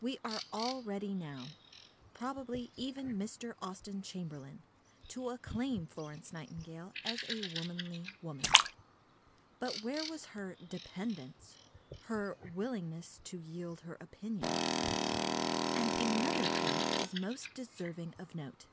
We are all ready now—probably even Mr. Austen Chamberlain—to acclaim Florence Nightingale as a womanly woman. But where was her "dependence," her "willingness to yield her opinions"? And another point is most deserving of note.